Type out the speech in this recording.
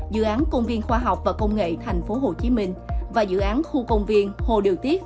dự án công viên khoa học và công nghệ thành phố hồ chí minh và dự án khu công viên hồ điều tiết